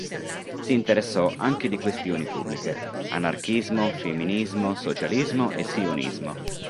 Si interessò anche di questioni pubbliche: anarchismo, femminismo, socialismo e sionismo.